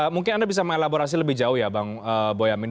mungkin anda bisa mengelaborasi lebih jauh ya bang boyamin